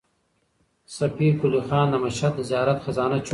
صفي قلي خان د مشهد د زیارت خزانه چور کړه.